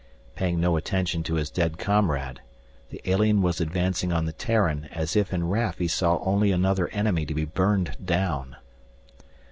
Paying no attention to his dead comrade, the alien was advancing on the Terran as if in Raf he saw only another enemy to be burned down.